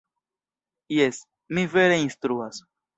Jes, mi vere instruas.